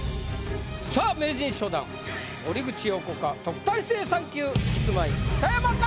さぁ名人初段森口瑤子か特待生３級キスマイ・北山か？